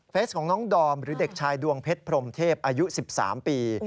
ของน้องดอมหรือเด็กชายดวงเพชรพรมเทพอายุ๑๓ปี